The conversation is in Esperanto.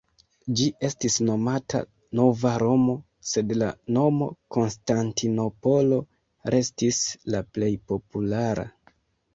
Ĝi estis nomata "Nova Romo", sed la nomo Konstantinopolo restis la plej populara.